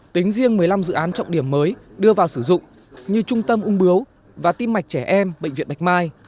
tính riêng một mươi năm dự án trọng điểm mới đưa vào sử dụng như trung tâm ung bướu và tim mạch trẻ em bệnh viện bạch mai